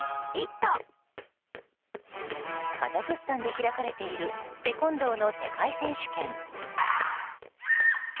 カザフスタンで開かれているテコンドーの世界選手権。